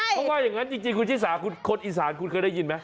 เค้าว่าอย่างนั้นจริงคุณที่สาวคนอีสานเคยได้ยินมั้ย